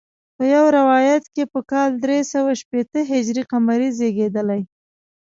په یو روایت په کال درې سوه شپېته هجري قمري زیږېدلی.